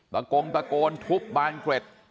โกงตะโกนทุบบานเกร็ด